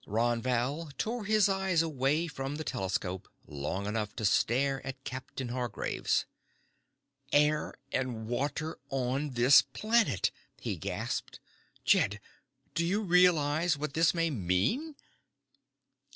Ron Val tore his eyes away from the telescope long enough to stare at Captain Hargraves. "Air and water on this planet!" he gasped. "Jed, do you realize what this may mean?"